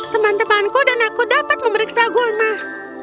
teman temanku dan aku dapat memeriksa gulmah